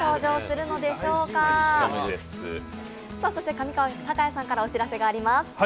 上川隆也さんからお知らせがあります。